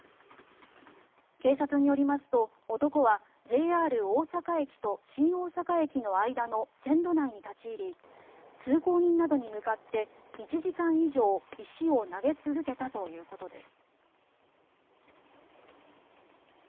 警察によりますと、男はＪＲ大阪駅と新大阪駅の間の線路内に立ち入り通行人などに向かって１時間以上石を投げ続けたということです。